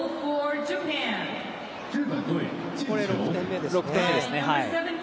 これ６点目ですね。